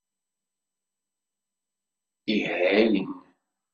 Ihayen.